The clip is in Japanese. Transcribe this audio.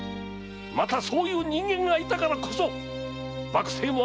またそういう人間がいたからこそ幕政も安泰だったのだぞ！